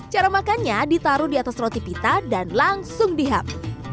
cara makannya ditaruh di atas roti pita dan langsung dihap